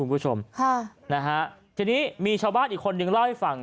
นะฮะทีนี้มีชาวบ้านอีกคนดึงเล่าให้ฟัง